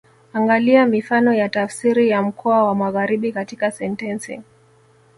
Angalia mifano ya tafsiri ya mkoa wa Magharibi katika sentensi